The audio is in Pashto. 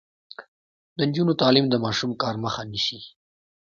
د نجونو تعلیم د ماشوم کار مخه نیسي.